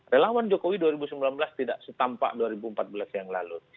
relawan jokowi dua ribu sembilan belas tidak setampak dua ribu empat belas yang lalu